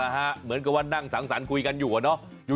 เหมือนกับว่านั่งสั่งสารคุยกันอยู่